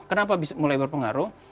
kenapa mulai berpengaruh